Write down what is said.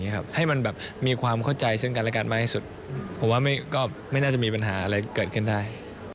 ให้มันแบบมีความเข้าใจซึ่งกันและกันมากที่สุดผมว่าก็ไม่น่าจะมีปัญหาอะไรเกิดขึ้นได้